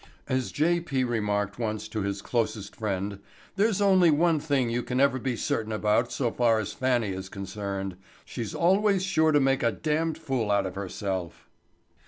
As J. P. remarked once to his closest friend "there's only one thing you can ever be certain about so far as Fannie is concerned—she's always sure to make a damned fool out of herself."